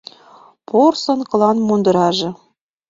Порсын кылан мундыраже